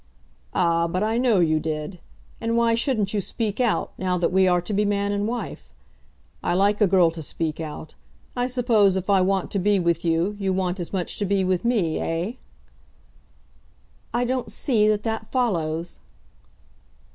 "Ah, but I know you did. And why shouldn't you speak out, now that we are to be man and wife? I like a girl to speak out. I suppose if I want to be with you, you want as much to be with me; eh?" "I don't see that that follows."